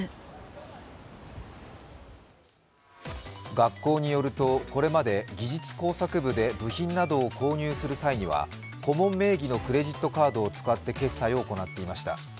学校によるとこれまで技術工作部で部品などを購入する際には顧問名義のクレジットカードを使って決済を行っていました。